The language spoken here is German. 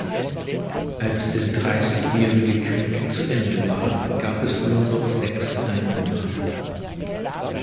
Als der Dreißigjährige Krieg zu Ende war, gab es nur noch sechs Einwohner.